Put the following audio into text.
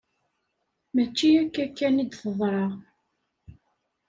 Mačči akka kan i d-teḍra.